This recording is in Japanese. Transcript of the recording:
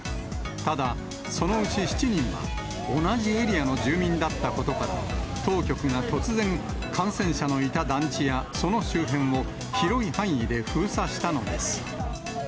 ただ、そのうち７人は同じエリアの住民だったことから、当局が突然、感染者のいた団地や、その周辺を広い範囲で封鎖したのです。